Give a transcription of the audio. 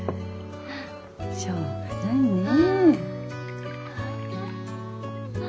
しょうがないねえ。